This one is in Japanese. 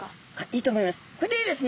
いいと思います。